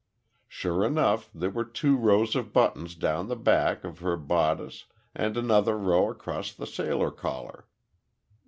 Sure enough, there were two rows of buttons down the back of her bodice, and another row across the sailor collar.